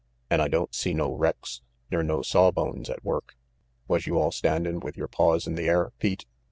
An' I don't see no wrecks ner no sawbones at work. Was you all standin' with yer paws in the air, Pete?"